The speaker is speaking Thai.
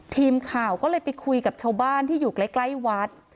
ทีมข่าวก็เลยไปคุยกับชาวบ้านที่อยู่ใกล้วัด